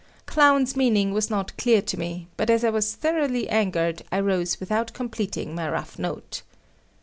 Clown's meaning was not clear to me, but as I was thoroughly angered, I rose without completing my rough note.